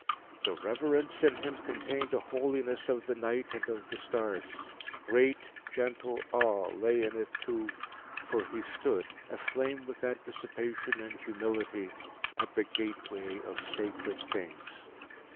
The reverence in him contained a holiness of the night and of the stars; great, gentle awe lay in it too; for he stood, aflame with anticipation and humility, at the gateway of sacred things.